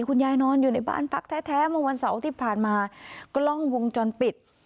คุณยายนอนอยู่ในบ้านพักแท้เมื่อวันเสาร์ที่ผ่านมากล้องวงจรปิด